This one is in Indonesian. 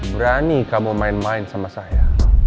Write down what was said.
berani kamu main main sama saya